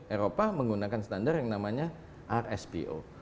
eropa menggunakan standar yang namanya rspo